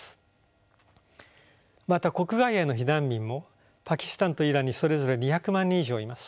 また国外への避難民もパキスタンとイランにそれぞれ２００万人以上います。